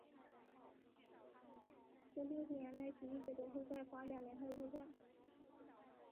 自六十年代起一直都是在法甲联赛作赛。